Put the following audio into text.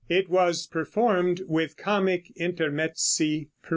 It was performed with comic intermezzi (_sic!